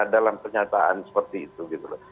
dalam pernyataan seperti itu gitu loh